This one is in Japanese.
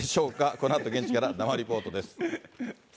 このあと現地から生リポートです。